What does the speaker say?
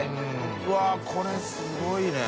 うわっこれすごいね。